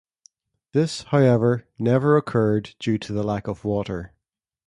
This, however, never occurred due to the lack of water.